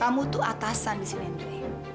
kamu tuh atasan di sini ndre